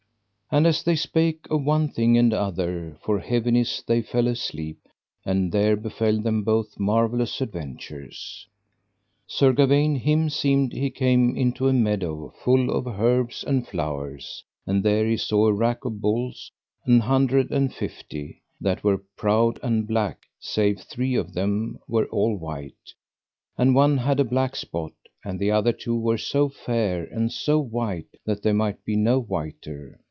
And as they spake of one thing and other, for heaviness they fell asleep, and there befell them both marvellous adventures. Sir Gawaine him seemed he came into a meadow full of herbs and flowers, and there he saw a rack of bulls, an hundred and fifty, that were proud and black, save three of them were all white, and one had a black spot, and the other two were so fair and so white that they might be no whiter.